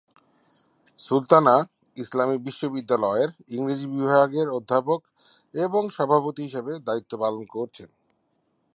সুলতানা ইসলামী বিশ্ববিদ্যালয়ের ইংরেজি বিভাগের অধ্যাপক এবং সভাপতি হিসাবে দায়িত্ব পালন করছেন।